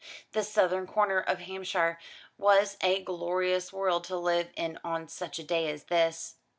This southern corner of Hampshire was a glorious world to live in on such a day as this.